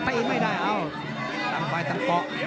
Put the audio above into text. ตีไม่ได้เอ้าตามไปตามเกาะ